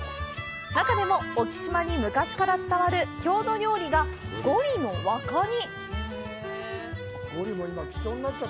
中でも、沖島に昔から伝わる郷土料理がゴリの若煮。